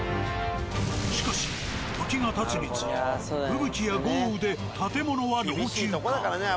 しかし時がたつにつれ吹雪や豪雨で建物は老朽化。